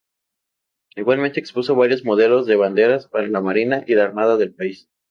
Igualmente expuso varios modelos de banderas para la marina y la armada del país.